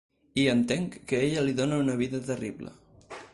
I entenc que ella li dona una vida terrible.